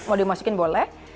mau dimasukin boleh